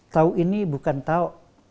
tahu ini bukan tau